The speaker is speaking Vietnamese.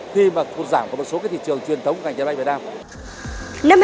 khi mà khuôn giảm của một số cái thị trường truyền thống của ngành dịch máy việt nam